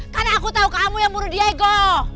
karena aku tahu kamu yang bunuh diego